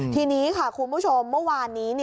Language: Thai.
ทีนี้ค่ะคุณผู้ชมเมื่อวานนี้